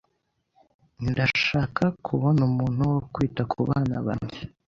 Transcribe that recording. Ndashaka kubona umuntu wo kwita ku bana banjye.